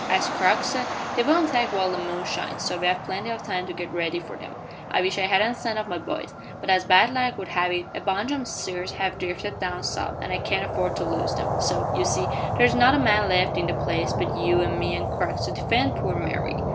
As Crux said, they won't attack while the moon shines, so we have plenty of time to git ready for them. I wish I hadn't sent off my boys, but as bad luck would have it a bunch o' my steers have drifted down south, an' I can't afford to lose them so, you see, there's not a man left in the place but you an' me an' Crux to defend poor Mary."